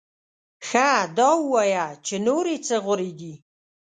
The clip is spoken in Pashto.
ښه دا ووایه چې نورې څه غورې دې؟